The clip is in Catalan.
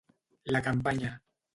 La campanya.